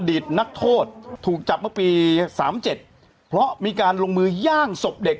ตนักโทษถูกจับเมื่อปี๓๗เพราะมีการลงมือย่างศพเด็ก